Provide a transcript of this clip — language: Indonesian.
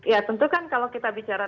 ya tentu kan kalau kita bicara